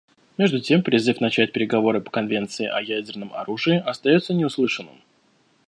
Между тем призыв начать переговоры по конвенции о ядерном оружии остается неуслышанным.